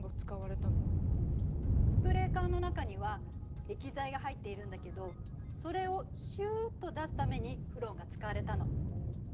スプレー缶の中には液剤が入っているんだけどそれをシューっと出すためにフロンが使われたの。